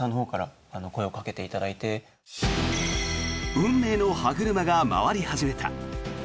運命の歯車が回り始めた。